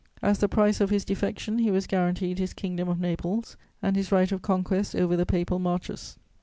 As the price of his defection, he was guaranteed his Kingdom of Naples, and his right of conquest over the Papal Marches.